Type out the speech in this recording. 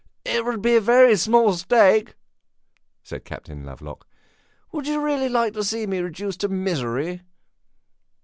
"It would be a very small stake," said Captain Lovelock. "Would you really like to see me reduced to misery?"